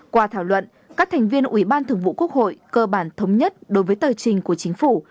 qua thảo luận các thành viên ủy ban thường vụ quốc hội cơ bản thống nhất đối với tờ trình của chính phủ